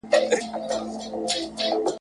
- نجیب الله رحیق ليکوال او خبريال.